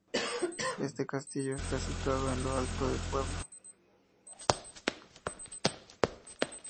Este castillo está situado en lo alto del pueblo.